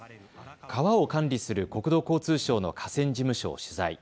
川を管理する国土交通省の河川事務所を取材。